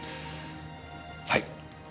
はい。